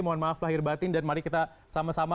mohon maaf lahir batin dan mari kita sama sama